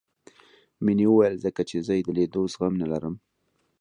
مينې وويل ځکه چې زه يې د ليدو زغم نه لرم.